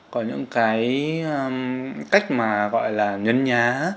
có những cái cách mà gọi là nhấn nhá